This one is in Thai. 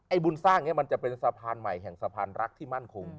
บุญสร้างนี้มันจะเป็นสะพานใหม่แห่งสะพานรักที่มั่นคง